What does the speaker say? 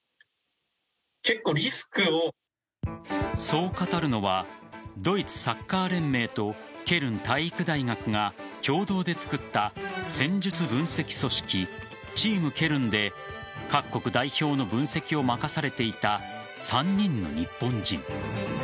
そう語るのはドイツサッカー連盟とケルン体育大学が共同で作った戦術分析組織チーム・ケルンで各国代表の分析を任されていた３人の日本人。